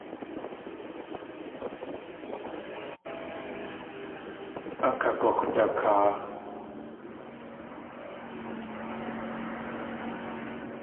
Akagux̲dakaa.